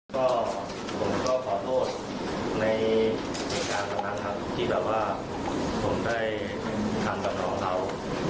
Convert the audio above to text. ก็ผมก็ขอโทษในเอกล้างต่างครับที่แบบว่าผมได้ทำกับเรา